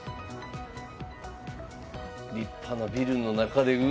立派なビルの中でうわあ。